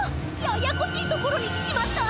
ややこしいところにきちまった！